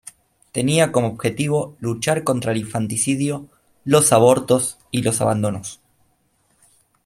Tenía como objetivo luchar contra el infanticidio, los abortos y los abandonos.